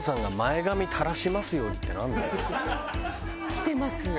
来てます。